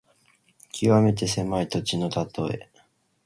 きわめて狭い土地のたとえ。